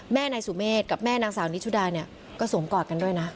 แม่นายสุเมฆกับแม่นางสาวนิชุดาเนี่ยก็สวมกอดกันด้วยนะ